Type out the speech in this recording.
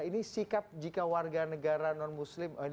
ini sikap jika warga negara non muslim